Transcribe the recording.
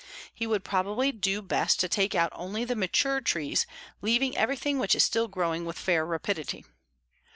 He would probably do best to take out only the mature trees, leaving everything which is still growing with fair rapidity.